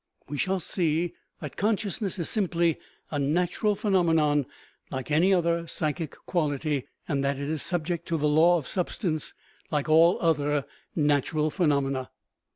We shall see that consciousness is simply a natural phenomenon like any other psychic quality, and that it is subject to the law of substance like all other nat i ural phenomena.